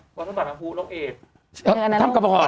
ทำกระบอกไหมวัดพระบาทน้ำผู้น้องเอด